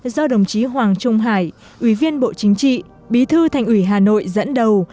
do đồng chí hoàng trung hải ủy viên bộ chính trị bí thư thành ủy hà nội dẫn đầu